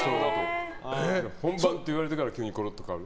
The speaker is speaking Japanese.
本番って言われてから急にコロッと変わる。